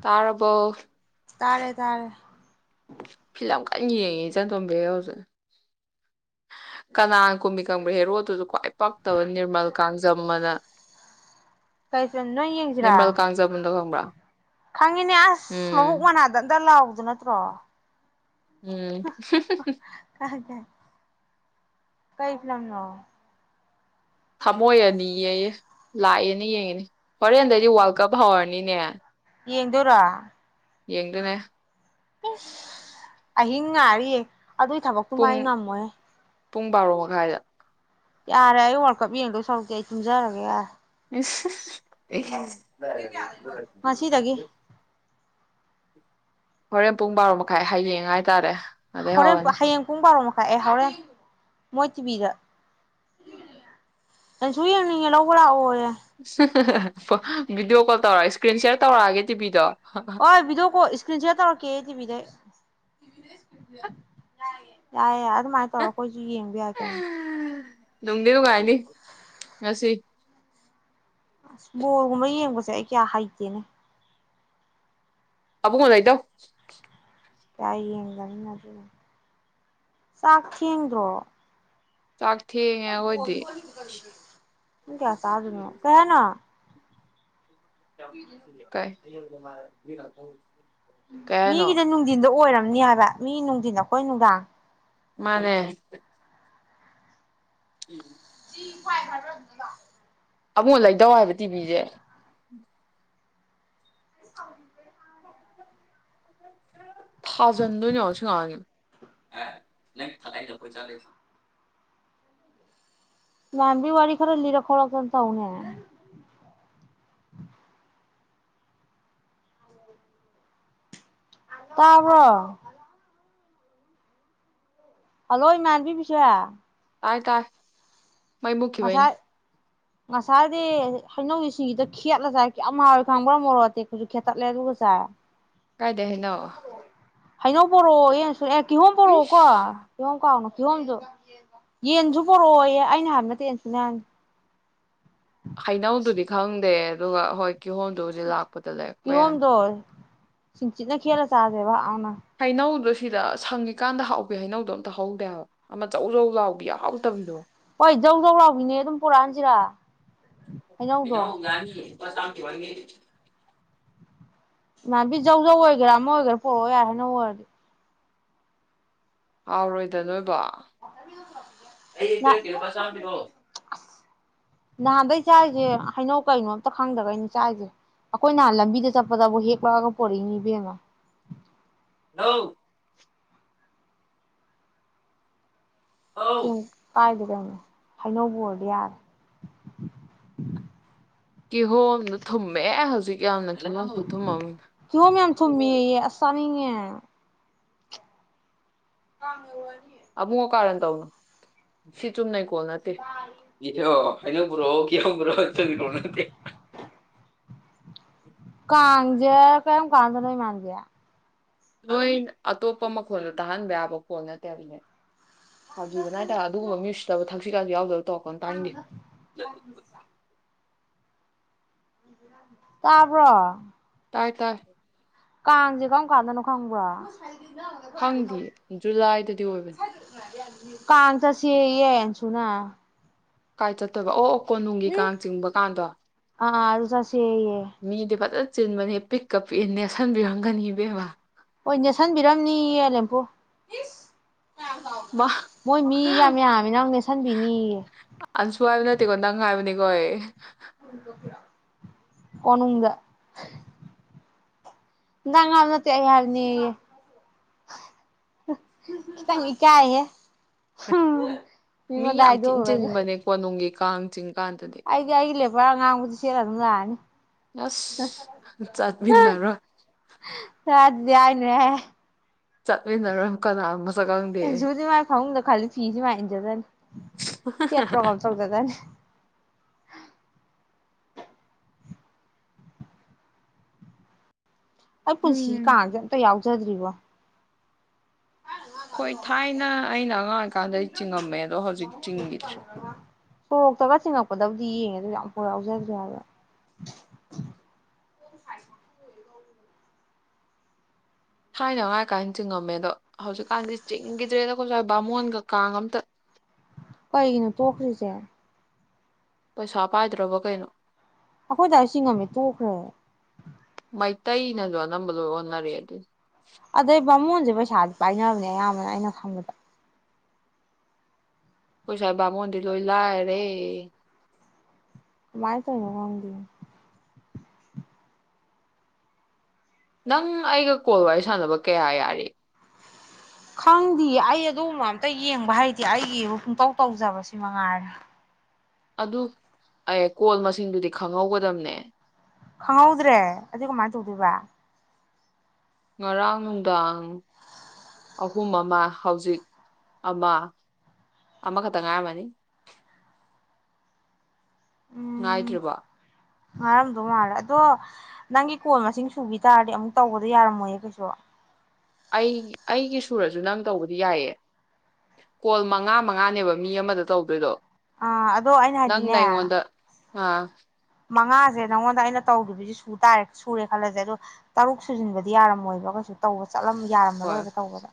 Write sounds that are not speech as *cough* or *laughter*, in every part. ꯇꯥꯔꯔꯕꯣ ꯇꯥꯔꯦ ꯇꯥꯔꯦ ꯐꯤꯂꯝ ꯀꯟꯅ ꯌꯦꯡꯉꯤ ꯆꯟꯇꯣꯝꯕꯤ ꯍꯧꯁꯦ ꯀꯅꯥ ꯀꯨꯝꯕꯤ ꯀꯪꯕ꯭ꯔꯥ ꯍꯦꯔꯣꯗꯨꯁꯨ ꯈ꯭ꯋꯥꯏ ꯄꯛꯇꯕ ꯅꯤꯔꯃꯜ ꯀꯥꯡꯖꯝ ꯑꯃꯅ ꯀꯩꯁ ꯅ ꯌꯦꯡꯁꯤꯔꯥ ꯈꯪꯕ꯭ꯔꯥ ꯈꯪꯉꯤꯅꯦ ꯑꯁ ꯎꯝ ꯃꯕꯨꯛ ꯃꯅꯥꯗ ꯑꯇ ꯂꯥꯎꯑꯣꯦ ꯑꯗꯨ ꯅꯠꯇ꯭ꯔꯣ ꯎꯝ ꯀ ꯀ ꯀꯩ ꯐꯤ꯭ꯂꯂꯝ ꯂ ꯊꯝꯃꯣꯏ ꯑꯅꯤꯌꯦꯌꯦ ꯂꯥꯛꯑꯦꯅ ꯌꯦꯡꯉꯅꯤ ꯍꯣꯔꯦꯟꯗꯩꯗꯤ ꯋꯥꯔꯜ ꯀꯞ ꯍꯧꯔꯅꯤꯅꯦ ꯌꯦꯡꯗꯔ ꯌꯦꯡꯅꯦ ꯑꯍ ꯉꯔꯤꯌꯦ ꯑꯗꯨꯒꯤ ꯊꯕꯛꯇꯨ ꯄꯨꯡ ꯃꯥꯏ ꯉꯝꯃꯣꯏ ꯄꯨꯡ ꯕꯥꯔꯣ ꯃꯈꯥꯏꯗ ꯌꯥꯔꯦ ꯑꯩ ꯋꯥꯔꯜ ꯀꯞ ꯌꯦꯡꯗꯣꯏ ꯁꯔꯨꯛꯇꯦ ꯑꯩ ꯆꯨꯝꯖꯔꯒꯦ ꯏꯁ ꯉꯁꯤꯗꯒꯤ *unintelligible* ꯍꯣꯔꯦꯟ ꯄꯨꯡ ꯕꯥꯔꯣ ꯃꯈꯥꯏ ꯍꯌꯦꯡ ꯍꯥꯏꯇꯥꯔꯦ ꯑꯗꯩ ꯍꯣꯔꯦꯟ ꯍꯧꯔꯅꯤ ꯍꯌꯦꯡ ꯄꯨꯡ ꯕꯥꯔꯣ ꯃꯈꯥꯏ ꯑꯦ ꯍꯥꯎꯔꯦꯟ ꯃꯣꯏ ꯇꯤꯚꯤꯗ ꯅꯪꯁꯨ ꯌꯦꯡꯅꯤꯡꯉꯦ ꯂꯧꯕ ꯂꯥꯛꯑꯣ ꯍ ꯚꯗꯤꯑꯣ ꯀꯣꯜ ꯇꯧꯔꯛꯑ ꯏꯁꯀ꯭ꯔꯤꯟ ꯁꯤꯦꯔ ꯇꯧꯔꯛꯑꯒꯦ ꯇꯤꯚꯗꯣ ꯍꯣꯏ ꯄꯕꯤꯗꯀꯣ ꯏꯁꯀ꯭ꯔꯤꯟ ꯁꯤꯦꯌꯥꯔ ꯇꯧꯔꯛꯀꯦ ꯑꯩꯗꯤꯤꯕꯤꯗꯩ ꯌꯥꯏ ꯌꯥꯔ ꯑꯗꯨꯃꯥꯏꯅ ꯇꯧꯔꯒ ꯑꯩꯈꯣꯏꯁꯨ ꯌꯦꯡꯕ ꯌꯥꯒꯦ ꯂꯗꯤ ꯎꯒꯥꯏꯅꯤ ꯉꯁꯤ ꯑꯁ ꯕꯣꯔꯒꯨꯝꯕ ꯌꯦꯡꯕꯁꯦ ꯑꯩ ꯀꯌꯥ ꯍꯩꯇꯦꯅꯦ ꯑꯥꯕꯨꯨ ꯀꯅꯥꯏꯗꯣ ꯀꯌꯥ ꯌꯦꯡꯒꯅꯤ ꯆꯥꯛꯈꯤꯦꯡꯗ꯭ꯔꯣ ꯆꯥꯛ ꯊꯦꯡꯉꯦ ꯑꯩꯈꯣꯏꯗꯤ ꯀꯌꯥ ꯁꯥ ꯑꯗꯨꯅ ꯀꯍꯅꯣ ꯀꯥꯏ ꯌꯥ ꯃꯤꯒꯤꯗꯤ ꯅꯨꯡꯊꯤꯟꯗꯣ ꯑꯣꯏꯔꯝꯅꯤ ꯍꯥꯏꯕ ꯃꯤꯅꯨꯡ ꯅ ꯀꯣꯏꯅꯅꯨꯡꯗꯥ ꯃꯥꯅꯦ ꯎꯝ ꯐꯥꯏ ꯐꯔꯗꯗ ꯑꯃꯨꯛ ꯂꯩꯗꯧ ꯍꯥꯏꯕ ꯇꯤꯕꯤꯁꯦ ꯁ ꯀꯥ ꯊꯥꯖꯟꯗꯣꯏꯅꯤ ꯌꯥꯁꯨ ꯉꯥꯡꯉꯦ ꯃꯌꯥꯝꯂꯤ ꯋꯥꯔꯤ ꯋꯥꯔꯤ ꯈꯔꯜꯂꯤ ꯔꯈꯣꯂ ꯇꯅ ꯇ ꯍꯅ ꯇꯥꯕꯣ ꯍꯜꯂꯣ ꯏꯃꯥꯟꯕꯤ ꯄꯤꯁꯥ ꯑꯥꯏ ꯇꯥ ꯃꯥꯏꯃꯨꯀꯤꯕꯩꯅꯤ ꯉꯁꯥꯏ ꯉꯁꯥꯏꯗꯤ ꯍꯩꯅꯧꯁꯤꯡꯒꯤꯗ ꯈꯦꯠꯂꯖꯥꯏ ꯌꯥꯝꯌꯥꯝꯃꯉꯔ ꯈꯪꯕ꯭ꯔꯥ ꯃꯔꯣꯗꯤꯦ ꯇ ꯈꯦꯇ ꯂ ꯂꯩ ꯑꯗꯨ ꯀꯖꯥ ꯀꯥꯏꯗꯩ ꯍꯩꯅꯧ ꯍꯩꯅꯧ ꯣꯔꯣ ꯑꯦ ꯑꯦ ꯀꯤꯍꯣꯝ ꯄꯣꯔꯛꯑꯣ ꯀꯣ ꯏꯁ ꯀꯤꯍꯣꯝ ꯀꯥꯎꯅ ꯀꯤꯍꯣꯝꯗ ꯌꯦꯟꯁꯨ ꯄꯣꯔꯛꯑꯣꯌꯦ ꯑꯩꯅ ꯍꯥꯟ ꯅ ꯍꯩꯅꯧꯗꯨꯗꯤ ꯈꯪꯗꯦ ꯑꯗꯨꯒ ꯍꯣꯏ ꯀꯤꯍꯣꯝꯗꯣꯖꯤꯦ ꯂꯥꯛꯄꯗ ꯂꯩ ꯄꯌꯥꯅꯤ ꯁꯤꯁꯤꯡ ꯆꯅ ꯈꯦꯂ ꯆꯥꯗꯦꯕ ꯍꯥꯏꯥꯏꯅꯧꯗ꯭ꯔꯣ ꯁꯤꯗ ꯁꯪꯉꯤꯀꯥꯟꯗ ꯍꯥꯎꯋꯦ ꯍꯩꯅꯧꯗꯣ ꯑꯝꯇ ꯍꯧꯧꯗꯦꯕ ꯑꯃ ꯑꯧ ꯑꯧ ꯂꯥꯎꯕ ꯌꯥꯎꯗꯕꯅꯤꯗꯣ ꯍꯣꯏ ꯖꯧ ꯖꯧ ꯂꯥꯎꯃꯤꯅꯦ ꯑꯗꯨꯝ ꯄꯨꯣꯔꯛꯑꯟꯁꯤꯔ ꯅꯦ ꯉꯅꯤꯁ ꯊ ꯋꯥꯔꯤ ꯃꯥꯥꯟꯕꯤꯖꯧꯖꯧ ꯑꯣꯏꯒꯦꯔꯥ ꯑꯃ ꯑꯣꯏꯒꯦꯔꯥ ꯄꯣꯔꯛꯑꯣ ꯌꯥꯔ ꯍꯥꯏꯅ ꯑꯣꯏꯔꯗꯤ ꯍꯥꯎꯔꯣꯏꯗ ꯅꯣꯏꯕ ꯑꯩꯆꯥ ꯄꯔꯣꯑꯣ ꯅꯍꯥꯟꯗꯩ ꯆꯥꯔꯤꯁꯦ ꯍꯩꯅꯧ ꯀꯩꯅꯣ ꯑꯝꯇ ꯈꯪꯗꯒꯩꯅꯤ ꯆꯥꯔꯤꯁꯦ ꯑꯩꯈꯣꯏ ꯅꯍꯥꯟ ꯂꯝꯕꯤꯗ ꯆꯠꯄꯗꯕꯨ ꯍꯦꯛꯂꯛꯑꯒ ꯄꯣꯔꯛꯏꯅꯤ ꯏꯕꯦꯝꯃ ꯊ ꯀ ꯄꯥꯏꯗ ꯑꯩꯥꯏꯅꯣꯕꯨꯔꯗꯤꯦꯦ ꯀꯤꯍꯣꯝꯅ ꯊꯨꯝꯃꯦ ꯍꯧꯖꯤꯛ ꯌꯥꯝꯅ ꯅꯥ ꯀꯊ ꯀꯤꯍꯣꯝ ꯌꯥꯝ ꯊꯨꯝꯃꯦꯌꯦ ꯑꯁ ꯆꯥꯅꯤꯡꯉꯦ ꯀꯉ ꯋꯥꯅꯤ ꯑꯕꯨꯨ ꯀ ꯀꯥꯔꯦꯟ ꯇꯧꯅꯣ ꯁꯤ ꯆꯨꯝ ꯅ ꯀꯣꯜ ꯅꯠꯇꯦ ꯏꯗ ꯑꯩꯅ ꯎꯕ꯭ꯔꯣ ꯀ ꯎꯕ꯭ꯔꯣ ꯏ ꯇꯣꯅꯠꯇ ꯀꯥꯥꯟꯖꯦ ꯀꯝ ꯀꯥꯟꯗ ꯅ ꯃꯒꯦ ꯅꯣꯏ ꯑꯇꯣꯞꯄ ꯃꯈꯣꯜꯗ ꯇꯥꯍꯟꯕ ꯌꯥꯕ ꯀꯣ ꯅꯠꯇꯦꯕꯅꯦ ꯐꯥꯈꯤꯕꯅ ꯍꯥꯏꯇꯥꯔꯦ ꯑꯗꯨꯒꯨꯝꯕ ꯃꯤꯑꯣꯏꯁꯤꯗꯕꯨ ꯎꯗ ꯇꯣꯀ ꯇꯤ ꯇꯥꯕ꯭ꯔꯣ ꯇꯥꯏ ꯇꯥꯏ ꯀꯥꯡꯁꯦ ꯀꯔꯝ ꯀꯥꯟꯗꯅꯣ ꯈꯪꯕ꯭ꯔꯥ ꯈꯪꯗꯦ ꯖꯨꯂꯥꯏꯗꯗꯤ ꯑꯣꯏꯕꯅꯤ ꯀꯥꯟ ꯆ ꯁꯍꯤꯁꯨꯅꯥ ꯀꯥꯏ ꯆ ꯇꯧꯕ ꯑꯣ ꯀꯣꯅꯨꯡꯒꯤ ꯀꯥꯡ ꯆꯤꯡꯕ ꯀꯥꯟꯗꯣ ꯑꯥ ꯑꯥ ꯑꯗꯨ ꯆꯠꯁꯦꯌꯦ ꯃꯤꯗꯤ ꯐꯖꯅ ꯆꯤꯟꯕꯅꯦ ꯄꯤꯛꯀ ꯄꯤꯅꯦꯁꯟꯕꯤꯔꯝꯒꯅꯤ ꯏꯕꯦꯝꯕ ꯍꯣꯏ ꯅꯦꯠꯁꯟꯕꯤꯔꯝꯅꯤ ꯑꯂꯦꯝꯦꯝꯄꯨ ꯌꯥꯝꯃꯤ ꯅꯪ ꯅꯦꯠꯁꯟꯕꯤꯅꯤꯌꯦ ꯑꯟꯁꯨ ꯍꯥꯏꯕ ꯅꯠꯇꯦꯀꯣ ꯅꯪ ꯍꯥꯏꯕꯅꯤ ꯒꯣꯏꯦ ꯍꯅꯗ ꯅꯪꯒꯥꯜꯅꯠꯇ ꯍꯥꯏꯔꯅꯤ ꯆꯪ ꯀ ꯍ ꯃꯤ ꯌꯥꯝ ꯆꯤꯟ ꯆꯤꯟꯕꯅꯦ ꯀꯣꯅꯨꯡꯒꯤ ꯀꯆꯤꯡ ꯍꯥꯏꯦ ꯍꯥꯏꯂꯦ ꯉꯥꯡꯕꯨꯗꯤ ꯁꯦꯔ ꯑꯗꯨ ꯂꯑꯅꯤ ꯌꯥꯁ ꯆꯠꯕꯤꯗꯔꯣ ꯆ ꯑꯗꯨꯗꯤꯏꯅꯦ ꯆꯠꯅꯔꯝ ꯀꯅꯥꯝ ꯨꯗꯤ ꯃꯥꯥꯏ ꯈ ꯅ ꯈꯂꯤ ꯐꯤꯤꯁ ꯃꯥꯏꯖꯗꯅꯤ ꯁꯤꯠ ꯄꯣꯒꯝ ꯊꯣꯛꯗꯗꯅꯤ ꯎ ꯑꯩ ꯄꯨꯟꯁꯤ ꯎꯝ ꯀꯥ ꯌꯥꯎ ꯆꯗ꯭ꯔꯤꯕꯣ ꯍꯣꯏ ꯊꯥꯏꯅ ꯑꯩꯅ ꯑꯉꯥꯡꯀ ꯑꫭꯏꯀꯟꯗ ꯆꯤꯡꯉꯝꯃꯦ ꯑꯗꯣ ꯍꯧꯖꯤꯛ ꯆꯤꯡꯈꯤꯗ꯭ꯔꯦ ꯁꯣꯔꯣꯛꯇꯒ ꯊꯤꯡꯉꯛꯄꯗꯕꯨꯗꯤ ꯌꯦꯡꯉꯦ ꯑꯗꫭ ꯑꯃꯨꯛ ꯐꯧ ꯌꯧꯖꯗ꯭ꯔꯤ ꯍꯥꯏꯕ ꯊꯥꯏꯅꯉꯥꯏ ꯀꯥꯏꯅ ꯆꯤꯡꯉꯝꯃꯦ ꯑꯗꯣ ꯍꯧꯖꯤꯛꯀꯥꯟꯗꯤ ꯆꯤꯡꯒꯤꯗ꯭ꯔꯦꯗ ꯑꯈꫭꯏ ꯁꯥꯏ ꯕꯥꯃꯣꯟꯒ ꯀꯥꯡ ꯑꯝꯇ ꯀꯩꯒꯤꯅꯣ ꯇꯣꯛꯈ꯭ꯔꯤꯁꯦ ꯄꯩꯁꯥ ꯄꯥꯏꯗ꯭ꯔꯕꯣ ꯀꯩꯅꯣ ꯑꯈꯣꯏꯗꯥꯏ ꯆꯤꯡꯉꯝꯄꯦ ꯇꯣꯛꯈ꯭ꯔꯦ ꯃꯩꯇꯩꯩꯅꯖꯨ ꯑꯅꯝꯕ ꯂꫭꯏ ꯑꫭꯟꯅꯔꯦ ꯑꯗꯨ ꯑꯗꯨꯏ ꯕꯥꯃꯣꯟꯖꯩ ꯄꯩꯁꯥꯗꯤ ꯄꯥꯏꯅꯕꯅꯦ ꯑꯌꯥꯝꯕꯅ ꯑꯩꯅ ꯈꯪꯕꯗ ꯑꯈꫭꯏꯁꯥꯏ ꯕꯃꫭꯜꯗꯤ ꯂꯣꯏ ꯂꯥꯛꯔꯦ ꯀꯃꯥꯏ ꯇꯧꯏꯅꫭ ꯈꯪꯗꯩ ꯅꯪ ꯑꯩꯒ ꯀꯣꯜ ꯋꯥꯔꯤ ꯁꯥꯟꯅꯕ ꯀꯌꯥ ꯌꯥꯔꯤ ꯈꯪꯗꯦ ꯑꯩ ꯑꯗꯨꯒꯨꯝꯕ ꯑꯝꯇ ꯌꯦꯡꯕ ꯍꯥꯏꯇꯦ ꯑꯩꯒꯤꯕꯨ ꯄꯨꯡꯇꯧ ꯇꯧꯖꯕꯁꯤ ꯃꯉꯥꯏꯔꯦ ꯑꯗꯨ ꯑꯦ ꯀꯣꯜ ꯃꯁꯤꯡꯗꯨꯗꯤ ꯈꯪꯍꯧꯒꯗꯕꯅꯦ ꯈꯪꯍꯧꯗ꯭ꯔꯦ ꯑꯗꯨ ꯀꯃꯥꯏꯅ ꯇꯧꯗꯣꯏꯕ ꯉꯔꯥꯡ ꯅꯨꯡꯗꯥꯡ ꯑꯍꯨꯝ ꯑꯃ ꯍꯧꯖꯤꯛ ꯑꯃ ꯑꯃꯈꯛꯇ ꯉꯥꯏꯔꯝꯃꯅꯤ ꯉꯥꯏꯗ꯭ꯔꯤꯕ ꯉꯔꯝꯗꯧ ꯃꯥꯜꯂꯦ ꯑꯗꯣ ꯅꯪꯒꯤ ꯀꯣꯟ ꯃꯁꯤꯡ ꯁꯨꯕꯤ ꯇꯥꯔꯗꯤ ꯑꯃꯨꯛ ꯇꯧꯕꯗ ꯌꯥꯔꯝꯃꯣꯏꯌꯦ ꯀꯩꯁꯨ ꯑꯩ ꯑꯩꯒꯤ ꯁꯨꯔꯁꯨ ꯅꯪ ꯇꯧꯕꯗꯤ ꯌꯥꯏꯌꯦ ꯀꯣꯜ ꯃꯉꯥ ꯃꯉꯥꯅꯦꯕ ꯃꯤ ꯑꯃꯗ ꯇꯧꯗꯣꯏꯗꯣ ꯑꯥ ꯑꯗꯣ ꯑꯩꯅ ꯅꯪꯅ ꯍꯥꯏꯁꯤꯅꯦ ꯑꯩꯉꯣꯟꯗ ꯑꯥ ꯃꯉꯥꯁꯦ ꯅꯪꯉꯣꯟꯗ ꯑꯩꯅ ꯇꯧꯗ꯭ꯔꯤꯕꯁꯤ ꯁꯨ ꯇꯥꯔꯦ ꯁꯨꯔꯦ ꯈꯜꯂꯁꯦ ꯑꯗꯣ ꯇꯔꯨꯛ ꯁꯨꯖꯤꯟꯕꯗꯤ ꯌꯥꯔꯝꯃꯣꯏꯕ ꯀꯩꯁꯨ ꯇꯧꯕ ꯆꯠꯂꯝ ꯍꯣꯏ ꯌꯥꯔꯝꯃꯔꯣꯏꯕ ꯇꯧꯕꯗ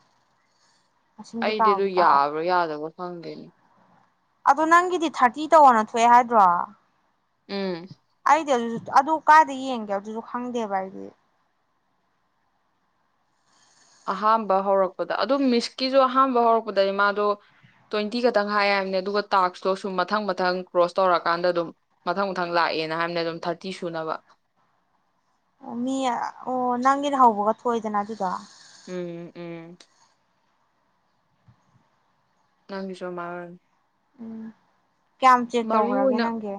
ꯃꯁꯤꯡꯗꯤ ꯑꯩꯗꯤ ꯑꯗꯨ ꯀꯥꯎꯗꯤ ꯀꯥꯎꯈ꯭ꯔꯦ ꯌꯥꯕ꯭ꯔꯥ ꯌꯥꯗꯕ ꯐꯪꯗꯦꯅꯤ ꯑꯗꯣ ꯅꯪꯒꯤꯗꯤ ꯊꯥꯔꯇꯤ ꯇꯧꯅ ꯊꯣꯛꯑꯦ ꯍꯥꯏꯗ꯭ꯔꯣ ꯎꯝ ꯗ ꯑꯗꯨꯁꯨ ꯑꯗꯨ ꯀꯥꯏꯗ ꯌꯦꯡꯒꯦ ꯑꯗꯨꯁꯨ ꯈꯪꯗꯦꯕ ꯑꯩꯗꯤ ꯑꯍꯥꯝꯕ ꯍꯧꯔꯛꯄꯗ ꯑꯗꯨꯝ ꯃꯤꯁꯀꯤꯁꯨ ꯑꯍꯥꯝꯕ ꯍꯧꯔꯛꯄꯗꯗꯤ ꯃꯥꯗꯣ ꯇ꯭ꯋꯦꯟꯇꯤ ꯈꯛꯇꯪ ꯍꯥꯏꯌꯦ ꯍꯥꯏꯕꯅꯦ ꯑꯗꯨꯒ ꯇꯥꯛꯁꯇꯣ ꯁꯨꯝ ꯃꯊꯪ ꯃꯊꯪ ꯀ꯭ꯔꯣꯁ ꯇꯧꯔꯀꯥꯟꯗ ꯑꯗꯨꯝ ꯃꯊꯪ ꯃꯊꯪ ꯂꯥꯛꯑꯦꯅ ꯍꯥꯏꯕꯅꯦ ꯑꯗꯨꯝ ꯊꯥꯔꯇꯤ ꯁꯨꯅꯕ ꯑꯣ ꯃꯤ ꯑꯣ ꯅꯪꯒꯤꯅ ꯍꯧꯕꯒ ꯊꯣꯛꯏꯗꯅ ꯑꯗꯨꯗꯣ ꯎꯝ ꯎꯝ ꯅꯪꯒꯤꯁꯨ ꯑꯗꯨꯃꯥꯏ ꯑꫭꯏꯔꯝꯅꯤ ꯎꯝ ꯀꯌꯥꯝ ꯆꯦꯛ ꯇꯧꯈ꯭ꯔꯒꯦ ꯅꯪꯒꯤ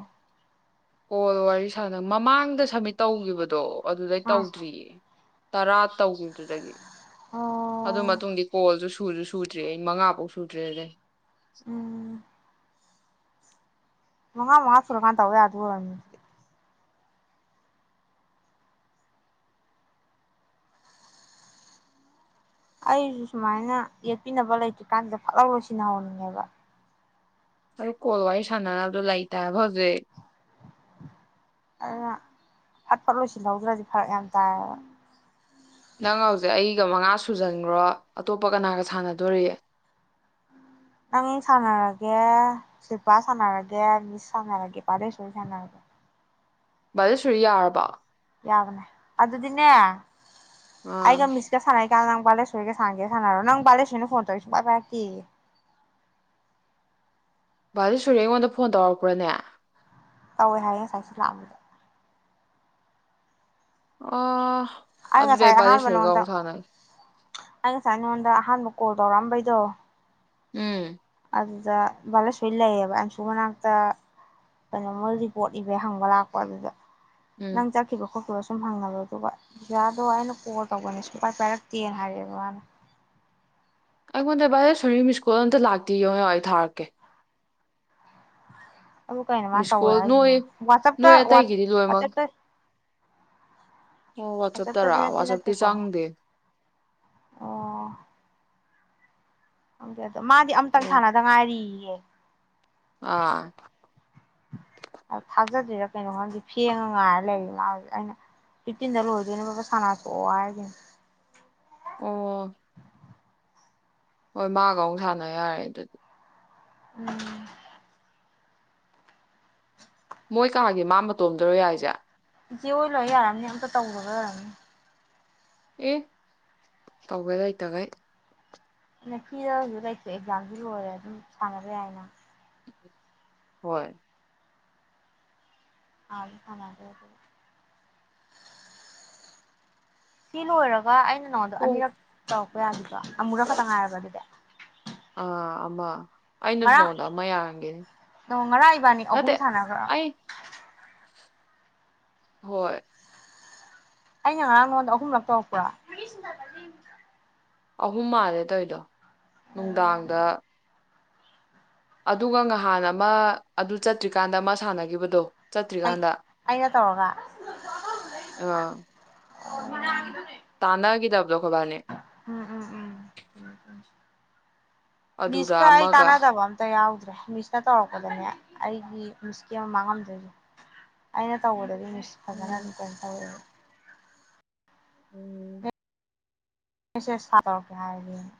ꯀꫭꯜ ꯋꯥꯔꯤ ꯁꯥꯟꯅ ꯃꯃꯥꯡꯗ ꯁꯃꯤꯠ ꯇꯧꯈꯤꯕꯗꯣ ꯑꯗꯨꯗꯩ ꯑꯥ ꯇꯧꯗ꯭ꯔꯤꯌꯦ ꯇꯔꯥ ꯇꯧꯈꯤꯕꯗꯨꯗꯒꯤ ꯑꯗꯨ ꯑꯣ ꯃꯇꯨꯡ ꯀꯣ ꯁꯨꯗ꯭ꯔꯦ ꯑꯩ ꯃꯉꯥꯐꯧ ꯁꯨꯗ꯭ꯔꯦꯗꯩ ꯎꯝ ꯃꯉꯥ ꯃꯉꯥ ꯁꯨꯔꯀꯟ ꯇꯧꯌꯥꯗꫭꯏ ꯑꫭꯏꯔꯝꯅꯤ ꯑꯗꯨꯗꯤ ꯑꯩꯁꯨ ꯁꯨꯃꯥꯏꯅ ꯌꯦꯠꯄꯤꯅꯕ ꯂꯩꯇ꯭ꯔꯤꯀꯥꯟꯗ ꯐꯠꯂꯥꯎꯅ ꯂꯣꯏꯁꯟꯍꯧꯅꯤꯡꯉꯦꯕ ꯃꯔꯨꯞ ꯀꯣꯜ ꯋꯥꯔꯤ ꯁꯥꯟꯅꯅꯕꯗꯣ ꯂꯩꯇꯦ ꯍꯥꯏꯕ ꯍꯧꯖꯤꯛ ꯑꯗꯨꯅ ꯐꯠꯐꯠ ꯂꯣꯏꯁꯤꯜꯍꯧꯗ꯭ꯔꯗꯤ ꯐꯔꯛ ꯌꯥꯝ ꯇꯥꯏꯕ ꯅꯪ ꯍꯧꯖꯤꯛ ꯑꯩꯒ ꯃꯉꯥ ꯁꯨꯖꯟꯈ꯭ꯔꯣ ꯑꯇꯣꯞꯄ ꯀꯅꯥꯒ ꯁꯥꯟꯅꯗꯣꯔꯤꯒꯦ ꯅꯪ ꯁꯥꯟꯅꯔꯒꯦ ꯁꯤꯜꯄꯥ ꯁꯥꯟꯅꯔꯒꯦ ꯃꯤꯁ ꯁꯥꯟꯅꯔꯒꯦ ꯚꯥꯂꯦꯁꯣꯔ ꯁꯥꯟꯅꯔꯒꯦ ꯕꯥꯂꯦꯁꯣꯔꯤ ꯌꯥꯔꯕꯣ ꯌꯥꯕꯅꯦ ꯑꯗꯨꯗꯤꯅꯦ ꯑꯥ ꯑꯩꯒ ꯃꯤꯁꯀ ꯁꯅꯩ *unintelligible* ꯅꯪ ꯕꯥꯂꯦꯁꯣꯔꯤ ꯒ ꯁꯥꯅꯒꯦ ꯁꯥꯟꯅꯔꯣ ꯅꯪ ꯕꯥꯂꯦꯁꯣꯔꯤꯅ ꯐꯣꯟ ꯇꯧꯋꯦꯌꯦ ꯁꯨꯡꯄꯥꯏ ꯄꯥꯏꯔꯛꯇꯦ ꯚꯥꯂꯦꯁꯣꯔꯤ ꯑꯩꯉꯣꯟꯗ ꯐꯣꯟ ꯇꯧꯔꯛꯄ꯭ꯔꯅꯦ ꯇꯧꯋꯦ ꯍꯥꯏꯌꯦ ꯉꯁꯥꯏ ꯁꯤ ꯂꯥꯛꯑꯝꯕꯗ ꯑꯣ ꯑꯗꯨꯗꯤ ꯉꯁꯥꯏ ꯑꯩ ꯑꯍꯥꯟꯕ ꯚꯥꯂꯦꯁꯣꯔꯤꯒ ꯅꯉꯣꯟꯗ ꯑꯃꯨꯛ ꯁꯥꯅꯒꯦ ꯑꯩ ꯉꯁꯥꯏ ꯅꯉꯣꯟꯗ ꯑꯍꯥꯟꯕ ꯀꯣꯜ ꯇꯧꯔꯛꯑꯝꯕꯩꯗꯣ ꯎꯝ ꯑꯗꯨꯗ ꯚꯥꯂꯦꯁꯣꯔꯤ ꯂꯩꯌꯦꯕ ꯑꯪꯁꯨ ꯃꯅꯥꯛꯇ ꯀꯩꯅꯣꯃ ꯔꯤꯄꯣꯔꯠ ꯏꯕꯩ ꯍꯪꯕ ꯂꯥꯛꯄ ꯑꯗꯨꯗ ꯎꯝ ꯅꯪ ꯆꯠꯈꯤꯕ ꯈꯣꯠꯈꯤꯕ ꯁꯨ ꯁꯨꯝ ꯍꯪꯍꯜꯂꯣ ꯑꯗꯨꯒ ꯄꯤꯌꯥꯗꯣ ꯑꯩꯅ ꯀꯣꯜ ꯇꯧꯕꯅꯦ ꯁꯨꯡꯄꯥꯏ ꯄꯥꯏꯔꯛꯇꯦ ꯅ ꯍꯥꯏꯔꯛꯑꯦꯕ ꯃꯥꯅ ꯑꯩꯉꯣꯟꯗ ꯚꯥꯂꯦꯁꯣꯔꯤ ꯃꯤꯁ ꯀꯣꯜ ꯑꯃꯇ ꯂꯥꯛꯇꯦ ꯌꯦꯡꯉꯣ ꯌꯦꯡꯉꯣ ꯑꯩ ꯊꯥꯔꯛꯀꯦ ꯑꯗꯨ ꯀꯩꯅꯣ ꯃꯥ ꯇꯧꯋꯦ ꯃꯤꯁꯀꯣꯜ ꯅꯣꯏ ꯍꯥꯏꯁꯤꯅ ꯋꯥꯆꯞꯇ ꯅꯣꯏ ꯑꯇꯩꯒꯤꯗꯤ ꯂꯣꯏꯅꯃꯛ ꯋꯥꯠꯁꯑꯦꯞꯇ ꯑꯣ ꯋꯥꯆꯞꯇꯔꯣ ꯅꯠꯇꯤ ꯋꯥꯠꯁꯑꯦꯞꯗꯤ ꯅꯠꯇꯦꯀꯣ ꯆꯪꯗꯦ ꯑꯣ ꯈꯪꯗꯦ ꯃꯥꯗꯤ ꯑꯃꯇꯪ ꯑꯣ ꯁꯥꯟꯅꯗ ꯉꯥꯏꯔꯤꯌꯦꯌꯦ ꯑꯥ ꯑ ꯊꯥꯖꯗꯔ꯭ꯤꯔꯥ ꯀꯩꯅꯣꯃꯗꯤ ꯐꯦꯡꯉ ꯉꯥꯏꯔ ꯂꯩꯔꯤ ꯃꯥ ꯍꯧꯖꯤꯛ ꯀꯟꯅ ꯐꯤꯞꯇꯤꯟꯗ ꯂꯣꯏꯗꯣꯏꯅꯦꯕ ꯐꯠ ꯐꯠ ꯁꯥꯟꯅꯊꯣꯛꯑꯣ ꯍꯥꯏꯁꯤꯅꯦ ꯑꯣ ꯍꯣꯏ ꯃꯥꯒ ꯑꯃꯨꯛ ꯁꯥꯟꯅ ꯌꯥꯔꯦ ꯑꯗꯨꯗꯤ ꯎꯝ ꯃꯣꯏ ꯀꯥꯒꯤ ꯃꯥ ꯃꯇꯣꯝꯗꯔꯣ ꯌꯥꯏꯖꯦ ꯏꯆꯦ ꯍꯣꯏ ꯂꯣꯏ ꯌꯥꯔꯝꯅꯤ ꯑꯝꯇ ꯇꯧꯅꯒ ꯑꯦ ꯇꯧꯒꯦ ꯂꯩꯇꯒꯩ *unintelligible* ꯂꯩꯊꯣꯛꯑꯦ ꯑꯦꯛꯖꯥꯝꯁꯨ ꯂꯣꯏꯔꯦ ꯑꯗꯨꯝ ꯁꯥꯟꯅꯕ ꯌꯥꯏꯅ ꯍꯣꯏ *unintelligible* ꯁꯤ ꯂꯣꯏꯔꯒ ꯑꯩꯅ ꯅꯣꯗꯣ ꯍꯣꯏ ꯑꯅꯤꯔꯛ ꯇꯧ *unintelligible* ꯑꯃꯨꯔꯛ ꯈꯛꯇꯪ ꯉꯥꯏꯔꯕ ꯑꯗꯨꯗꯤ ꯑꯥ ꯑꯃ ꯑꯩꯅꯁꯨ ꯉꯔꯥꯡ ꯅꯉꯣꯟꯗ ꯑꯃ ꯌꯥꯔꯝꯒꯤꯅꯤ ꯗꯣ ꯉꯔꯥꯡ ꯏꯕꯥꯅꯤ ꯑꯍꯨꯝ ꯅꯠꯇꯦ ꯁꯥꯟꯅꯒꯔ꯭ ꯑꯩ ꯍꯣꯏ ꯑꯩꯅ ꯉꯔꯥꯡ ꯅꯉꯣꯟꯗ ꯑꯍꯨꯝꯂꯛ ꯇꯧꯔꯛꯄ꯭ꯔꯥ ꯑꯍꯨꯝ ꯃꯥꯜꯂꯦ ꯇꯧꯏꯗꯣ ꯅꯨꯡꯗꯥꯡꯗ ꯑꯗꯨꯒ ꯅꯍꯥꯟ ꯑꯃ ꯑꯗꯨ ꯆꯠꯇ꯭ꯔꯤꯀꯥꯟꯗ ꯑꯃ ꯁꯥꯟꯅꯈꯤꯕꯗꯣ ꯑꯩ ꯑꯩꯅ ꯇꯧꯔꯒ *unintelligible* ꯇꯥꯟꯅꯈꯤꯗ ꯑꯕꯗꯨꯜ ꯈꯕꯥꯔꯅꯦ ꯎꯝ ꯎꯝ ꯎꯝ ꯑꯗꯨꯗ ꯃꯤꯅꯤꯁꯀꯥ ꯍꯥꯏ ꯑꯃꯒ ꯇꯅ ꯇꯕ ꯑꯇ ꯌꯥꯎꯗ ꯦ ꯃꯤꯁꯅ ꯇꯧꯔꯛꯄꯗꯅꯦ ꯑꯩꯒꯤ ꯃꯤꯁꯀꯤ ꯑꯃ ꯃꯥꯡꯉꯝꯗꯣꯏꯁꯦ ꯑꯩꯅ ꯇꯧꯕꯗꯗꯤ ꯍꯖꯅ ꯑꯗꯨ ꯎꯝ ꯀꯇ ꯎꯝ ꯀꯁꯦ ꯆꯗꯔ ꯀ ꯍꯥꯏ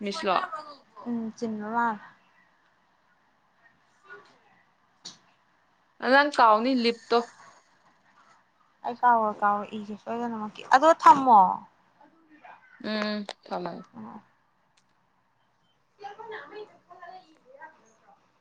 ꯃꯤꯁꯂꯣ ꯃꯣꯏꯅꯕ ꯎꯝ ꯆꯃ ꯋꯥ ꯎ ꯑ ꯅꯪ ꯀꯥꯎꯅꯤ ꯂꯤꯞꯇꯣ ꯑꯩ ꯀꯥꯎꯔꯣ ꯀꯥꯎꯔꯣ ꯏꯒꯦ ꯁꯣꯏꯗꯅꯃꯛꯀꯤ ꯑꯗꯨꯒ ꯊꯝꯃꯣ ꯎꯝ ꯊꯉꯥꯏ ꯊ